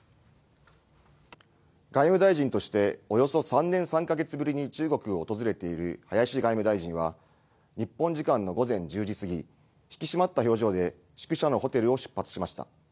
外務大臣としておよそ３年３か月ぶりに中国を訪れている林外務大臣は日本時間の午前１０時過ぎ、引き締まった表情で宿舎のホテルを出発しました。